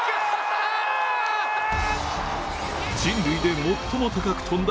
人類で最も高く跳んだ